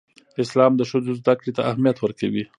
اسلام د ښځو زدهکړې ته اهمیت ورکوي.